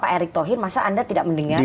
pak ertokhir masa anda tidak mendengar